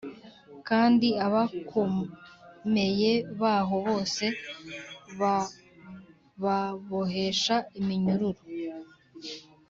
kandi abakomeye baho bose bababohesha iminyururu